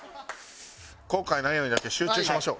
後悔ないようにだけ集中しましょう。